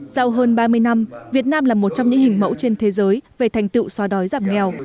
sau hơn ba mươi năm việt nam là một trong những hình mẫu trên thế giới về thành tựu xóa đói giảm nghèo